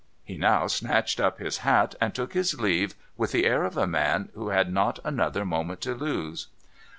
He now snatched up his hat, and took his leave with the air of a man who had not another moment to lose.